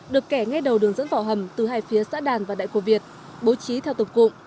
được kẻ ngay đầu đường dẫn vỏ hầm từ hai phía xã đàn và đại cổ việt bố trí theo tổng cụm